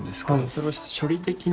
それを処理的に。